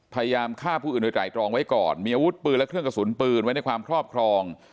พยายามฆ่าผู้อื่นโดยไตรตรองไว้ก่อนมีอาวุธปืนและเครื่องกระสุนปืนไว้ในความครอบครอง